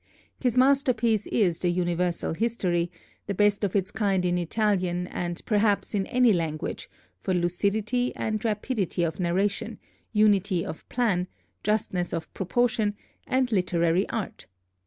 His masterpiece is the 'Universal History,' the best work of its kind in Italian and perhaps in any language for lucidity and rapidity of narration, unity of plan, justness of proportion, and literary art.